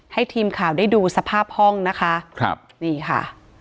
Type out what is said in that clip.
ให้ทีมข่าวได้ดูสภาพห้องนะคะครับนี่ค่ะ